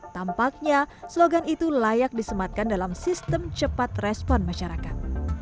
tampaknya slogan itu layak disematkan dalam sistem cepat respon masyarakat